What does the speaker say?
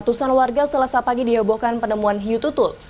ratusan warga selasa pagi dihebohkan penemuan hiu tutul